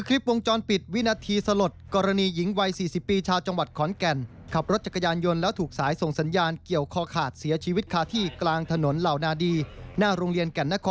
รถบรรทุกขับเข้าขับขี่ของเผ้าใจ